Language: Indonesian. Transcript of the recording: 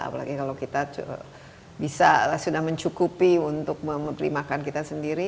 apalagi kalau kita bisa sudah mencukupi untuk memberi makan kita sendiri